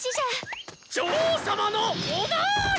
女王様のおなり。